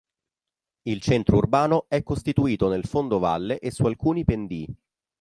Il centro urbano è costituito nel fondovalle e su alcuni pendii.